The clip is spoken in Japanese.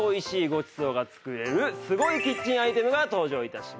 ごちそうが作れるすごいキッチンアイテムが登場致します。